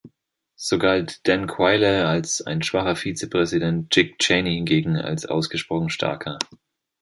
So galt Dan Quayle als ein schwacher Vizepräsident, Dick Cheney hingegen als ausgesprochen starker.